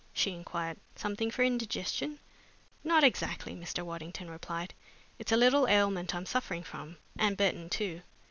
she inquired. "Something for indigestion?" "Not exactly," Mr. Waddington replied. "It's a little ailment I'm suffering from, and Burton too."